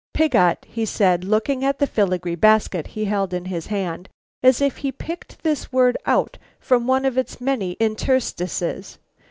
"Pigot," he said, looking at the filigree basket he held in his hand as if he picked this word out from one of its many interstices.